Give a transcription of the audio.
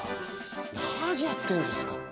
何やってんですか！